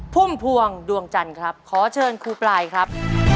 พุ่มพวงดวงจันทร์ครับขอเชิญครูปลายครับ